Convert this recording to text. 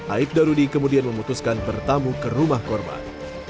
aibda rudi kemudian memutuskan bertamu ke rumah korban